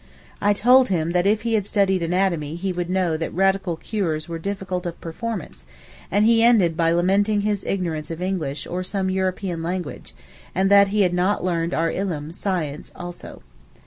I told him that if he had studied anatomy he would know that radical cures were difficult of performance, and he ended by lamenting his ignorance of English or some European language, and that he had not learned our Ilm (science) also.